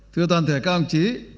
thưa toàn thể các ông chí